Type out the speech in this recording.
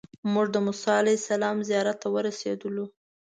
موږ د موسی علیه السلام زیارت ته ورسېدلو.